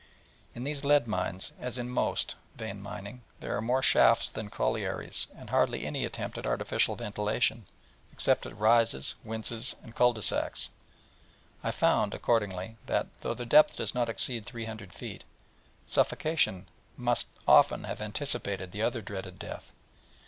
In these lead mines, as in most vein mining, there are more shafts than in collieries, and hardly any attempt at artificial ventilation, except at rises, winzes and cul de sacs. I found accordingly that, though their depth does not exceed three hundred feet, suffocation must often have anticipated the other dreaded death.